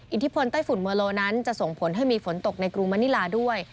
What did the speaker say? อิทธิพลไต้ฝุ่นเมอร์โลนั้นจะส่งผลให้มีฝนตกในกรุงมณิลาด้วย